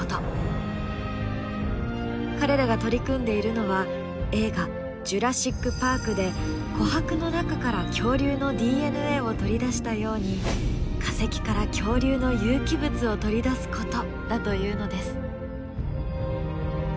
彼らが取り組んでいるのは映画「ジュラシック・パーク」で琥珀の中から恐竜のＤＮＡを取り出したように化石から恐竜の有機物を取り出すことだというのです。